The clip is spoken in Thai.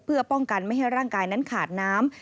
เพื่อป้องกันไม่ให้ร่างกายนั้นขาดน้ำ